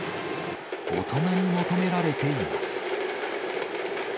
大人に求められています。